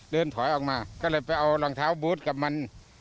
เดินถอยออกมาก็เลยไปเอารองเท้าบูธกับมัน